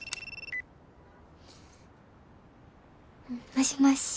もしもし。